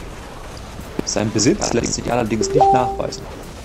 Sein Besitz lässt sich allerdings nicht nachweisen.